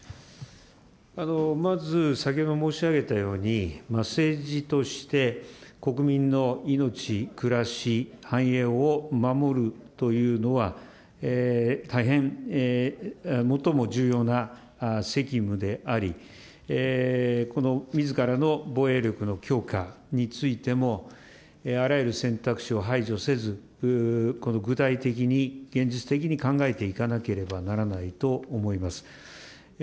まず先ほど申し上げたように、政治として、国民の命、暮らし、繁栄を守るというのは、大変、最も重要な責務であり、みずからの防衛力の強化についても、あらゆる選択肢を排除せず、具体的に現実的に考えていかなければならないと思います。